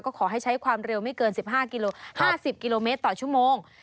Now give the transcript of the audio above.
ก็ขอให้ใช้ความเร็วไม่เกิน๑๕๕๐กิโลเมตรต่อชั่วโมง